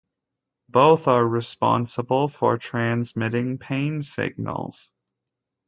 Both are responsible for transmitting pain signals.